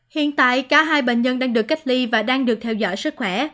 hiện tại cả hai bệnh nhân đang được cách ly và đang được theo dõi sức khỏe